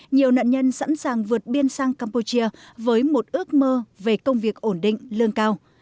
nhiều nạn nhân sẵn sàng vượt biên sang campuchia với một ước mơ về công việc ổn định lương cao